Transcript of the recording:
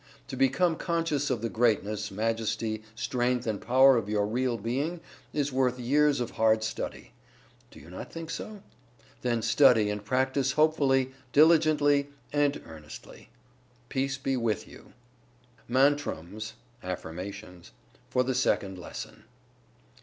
To become conscious of the greatness, majesty, strength and power of your real being is worth years of hard study. Do you not think so? Then study and practice hopefully, diligently and earnestly. Peace be with you. MANTRAMS (AFFIRMATIONS) FOR THE SECOND LESSON.